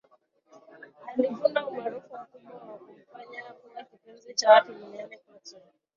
Alivuna umaarufu mkubwa na kumfanya kuwa kipenzi cha watu duniani kote